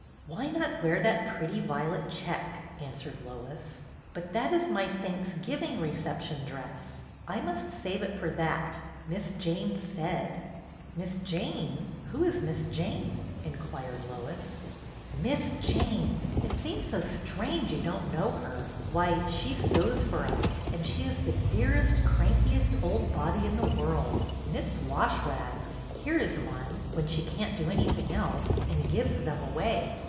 "Why not wear that pretty violet check?" answered Lois. " But that is my Thanksgiving reception dress. I must save it for that. Miss Jane said." " Miss Jane ! Who is Miss Jane ?" inquired Lois. HER FIRST RECEPTION loi "Miss Jane! It seems so strange you don't know her. Why, she sews for us, and she is the dearest, crankiest old body in the world, — knits wash rags — here is one — when she can't do anything else, and gives them away.